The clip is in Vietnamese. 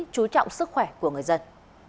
chú trọng sức khỏe của người dân